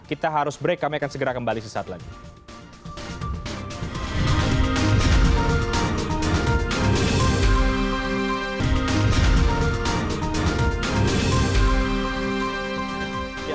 kita harus break kami akan segera kembali sesaat lagi